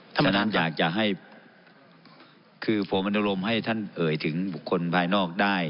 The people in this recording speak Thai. เพราะฉะนั้นอยากจะให้คือผมอนุรมให้ท่านเอ่ยถึงบุคคลภายนอกได้